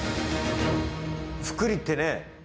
複利ってね